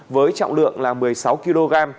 với trọng lượng là một mươi sáu kg